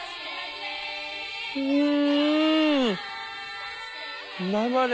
うん！